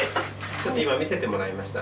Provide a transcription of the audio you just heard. ちょっと今見せてもらいました。